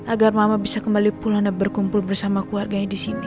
agar mama bisa kembali pulang dan berkumpul bersama keluarganya di sini